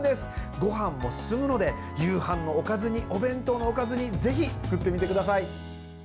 ごはんも進むので夕飯のおかずにお弁当のおかずにぜひ作ってみてください。